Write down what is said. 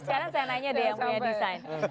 sekarang saya nanya deh yang punya desain